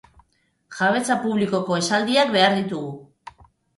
Jabetza publikoko esaldiak behar ditugu.